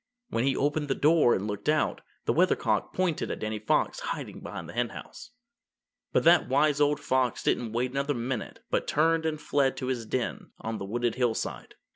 When he opened the door and looked out, the Weathercock pointed at Danny Fox hiding behind the Henhouse. But that wise old fox didn't wait another minute but turned and fled to his den on the wooded hillside.